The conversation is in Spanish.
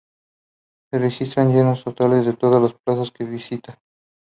Se registran llenos totales en todas las plazas que visita.